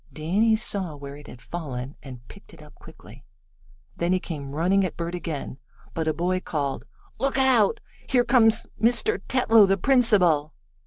Danny saw where it had fallen, and picked it up quickly. Then he came running at Bert again, but a boy called: "Look out! Here comes Mr. Tetlow, the principal!"